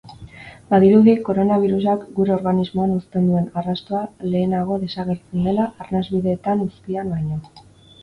Badirudi koronabirusak gure organismoan uzten duen arrastoa lehenago desagertzen dela arnasbideetan uzkian baino.